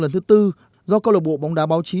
lần thứ tư do cơ lộ bộ bóng đá báo chí